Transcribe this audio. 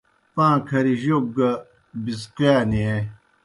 پاں کھریْ جوک گہ پِڅقِیا نیں۔